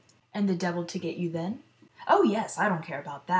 And the devil to get you then ?"" Oh, yes ; I don't care about that."